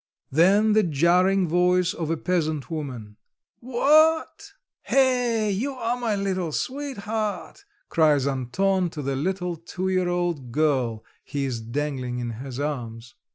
Then the jarring voice of a peasant woman, "What?" "Hey, you are my little sweetheart," cries Anton to the little two year old girl he is dandling in his arms.